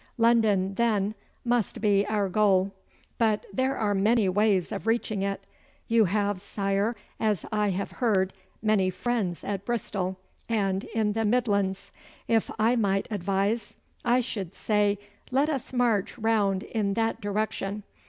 London, then, must be our goal. But there are many ways of reaching it. You have, sire, as I have heard, many friends at Bristol and in the Midlands. If I might advise, I should say let us march round in that direction.